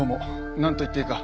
なんと言っていいか。